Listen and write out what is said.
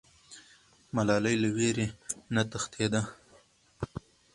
ملالۍ له ویرې نه تښتېده.